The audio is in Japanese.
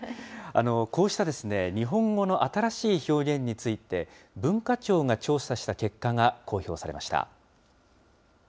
こうした日本語の新しい表現について、文化庁が調査した結果が公表されました。